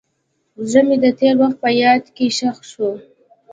زړه مې د تېر وخت په یاد کې ښخ شو.